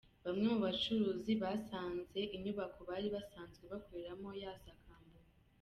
Bamwe mu bacuruzi basanze inyubako bari basanzwe bakoreramo yasakambuwe.